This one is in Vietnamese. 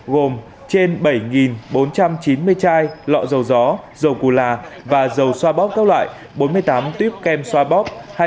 gồm trên bảy bốn trăm chín mươi chai lọ dầu gió dầu dầu cù là và dầu xoa bóp các loại bốn mươi tám tuyếp kem xoa bóp